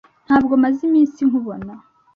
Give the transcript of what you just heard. Ntabwo maze iminsi nkubona.